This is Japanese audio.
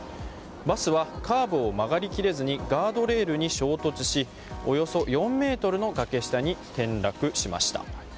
バスはカーブを曲がり切れずにガードレールに衝突しおよそ４ｍの崖下に転落しました。